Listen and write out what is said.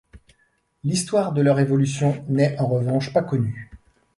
L'histoire de leur évolution n'est en revanche pas connue.